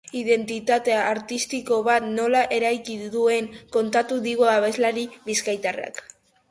Identitate artistiko bat nola eraiki duen kontatu digu abeslari bizkaitarrak.